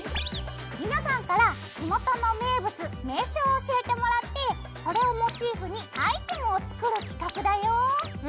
皆さんから地元の名物名所を教えてもらってそれをモチーフにアイテムを作る企画だよ！